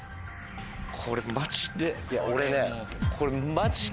これマジで。